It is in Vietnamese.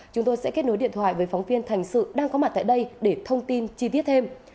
chúng tôi sẽ kết nối điện thoại với phóng viên thành sự đang có mặt tại đây để thông tin chi tiết thêm